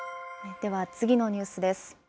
では次のニュースです。